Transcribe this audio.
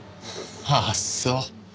あっそう。